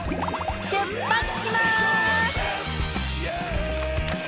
出発します！